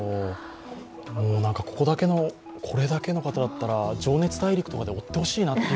ここだけの、これだけの方だったら「情熱大陸」で追ってほしいなと。